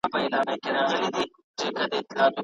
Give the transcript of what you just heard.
زما څوکۍ د کړکۍ په خوا کې وه.